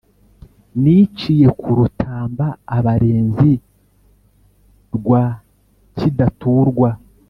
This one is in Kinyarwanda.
Niciye ku Rutamba abarenzi rwa Kidaturwa,